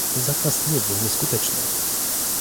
Zakaz nie był nieskuteczny